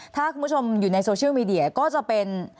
ถ้าคุณผู้ชมอยู่ในโซเชียลมีเดียก็จะเป็น